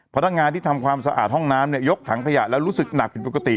พนักงานที่ทำความสะอาดห้องน้ำเนี่ยยกถังขยะแล้วรู้สึกหนักผิดปกติ